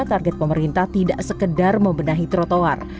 target pemerintah tidak sekedar membenahi trotoar